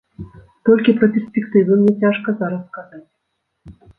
Толькі пра перспектывы мне цяжка зараз казаць.